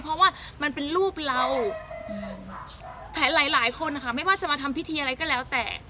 เพราะว่ามันเป็นรูปเราหลายคนนะคะไม่ว่าจะมาทำพิธีอะไรก็แล้วแต่